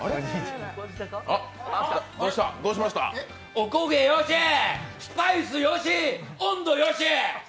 おこげよし、スパイスよし、温度よし。